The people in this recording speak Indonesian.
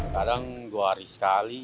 kadang dua hari sekali